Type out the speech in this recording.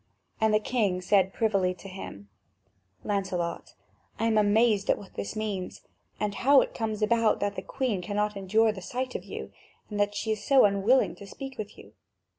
And the king said privily to him: "Lancelot, I am amazed at what this means: and how it comes about that the Queen cannot endure the sight of you, and that she is so unwilling to speak with you.